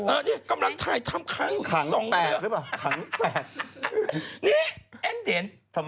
เรื่องอะไรกำลังถ่ายทำค้ายูสองเหรอขังแปดรึเปล่า